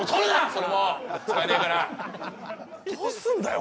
それも使えねえからどうすんだよ